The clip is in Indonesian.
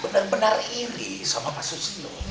bener bener iri sama pak susi loh